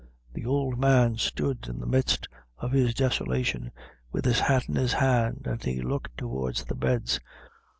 The old man stood, in the midst of his desolation, with his hat in his hand, and he looked towards the beds.